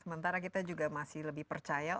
sementara kita juga masih lebih percaya